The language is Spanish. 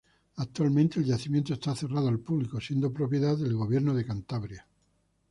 Actualmente el yacimiento está cerrado al público, siendo propiedad del Gobierno de Cantabria.